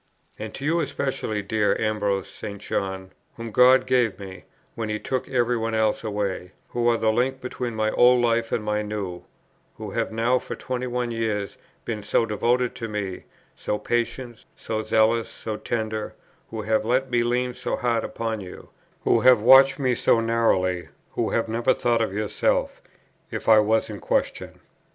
And to you especially, dear Ambrose St. John; whom God gave me, when He took every one else away; who are the link between my old life and my new; who have now for twenty one years been so devoted to me, so patient, so zealous, so tender; who have let me lean so hard upon you; who have watched me so narrowly; who have never thought of yourself, if I was in question.